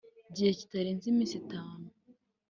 Gihe kitarenze iminsi itanu